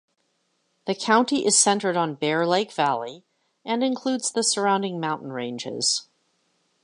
The county is centered on Bear Lake Valley and includes the surrounding mountain ranges.